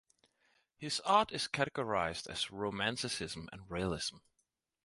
His art is categorized as romanticism and realism.